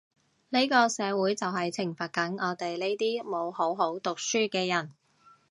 呢個社會就係懲罰緊我哋呢啲冇好好讀書嘅人